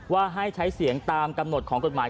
ว่าให้ใช้เสียงตามกำหนดของกฎหมาย